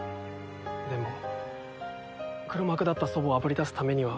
でも黒幕だった祖母をあぶり出すためには。